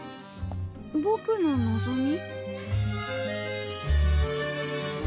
ぼくの望み？